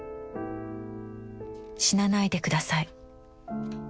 『死なないでください』